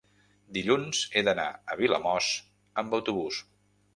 dilluns he d'anar a Vilamòs amb autobús.